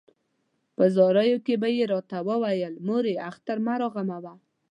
په زاریو کې به یې ورته ویل مورې اختر مه راغموه.